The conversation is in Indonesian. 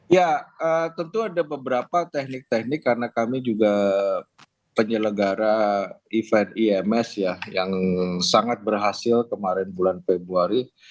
ya tentu ada beberapa teknik teknik karena kami juga penyelenggara event ims ya yang sangat berhasil kemarin bulan februari